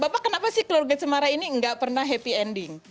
bapak kenapa sih keluarga cemara ini nggak pernah happy ending